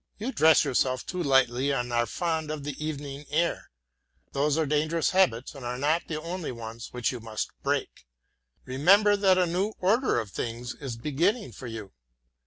You dress yourself too lightly and are fond of the evening air; those are dangerous habits and are not the only ones which you must break. Remember that a new order of things is beginning for you.